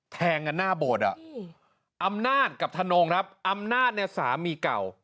แทงกันหน้าโบสถ์อ่ะอำนาจกับธนงครับอำนาจเนี่ยสามีเก่า